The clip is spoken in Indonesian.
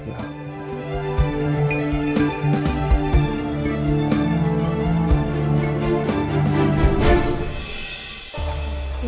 tapi apa yang terjadi